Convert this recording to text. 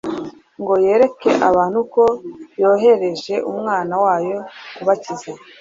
ngo yereke abantu ko yohereje Umwana wayo kubakiza.